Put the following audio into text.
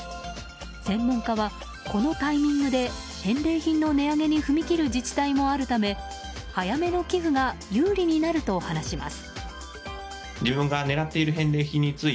専門家は、このタイミングで返礼品の値上げに踏み切る自治体もあるため早めの寄付が有利になると話します。